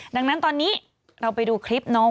ดังนั้นตอนนี้เราไปดูคลิปน้อง